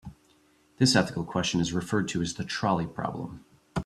This ethical question is referred to as the trolley problem.